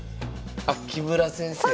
あっ木村先生か。